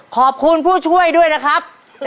ขอบคุณผู้ช่วยด้วยนะครับ